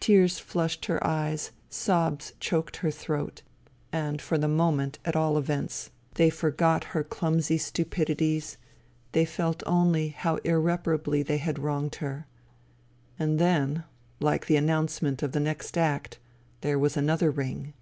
Tears flushed her eyes, sobs choked her throat. And for the moment, at all events, they forgot her clumsy 46 FUTILITY stupidities ; they felt only how irreparably they had wronged her. And then, like the announcement of the next act, there was another ring.